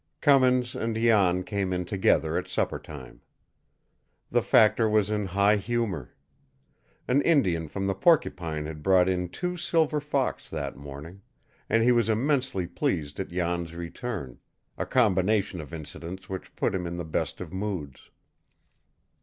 Cummins and Jan came in together at suppertime. The factor was in high humor. An Indian from the Porcupine had brought in two silver fox that morning, and he was immensely pleased at Jan's return a combination of incidents which put him in the best of moods.